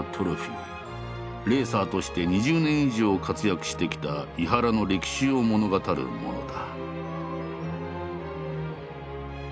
レーサーとして２０年以上活躍してきた井原の歴史を物語るものだ。